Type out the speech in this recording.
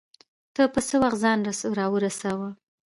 ته په وخت ځان راورسوه